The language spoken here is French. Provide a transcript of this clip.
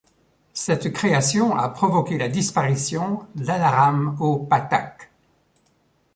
Cette création a provoqué la disparition d'Anaram Au Patac.